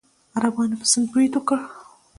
عربانو په سند برید وکړ.